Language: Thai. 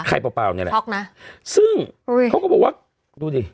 ไข่เปล่าเนี่ยแหละซึ่งเขาก็บอกว่าดูดิ